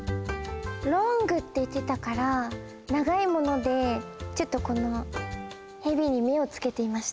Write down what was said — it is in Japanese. “ｌｏｎｇ”っていってたからながいものでちょっとこのヘビに目をつけていました。